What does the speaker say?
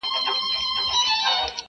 په یوه حمله یې پورته کړه له مځکي؛